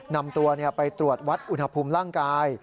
นำตัวไปตรวจวัดอุณหภูมิร่างกาย